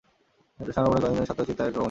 এ দর্শন আরও মনে করে সত্তা ও চিন্তা এক ও অভিন্ন।